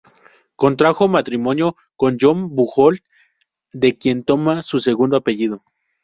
Contrajo matrimonio con John Bujold, de quien toma su segundo apellido.